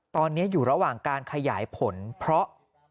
ตอนนี้อยู่ระหว่างการขยายผลเพราะ